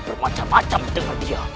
bermacam macam dengan dia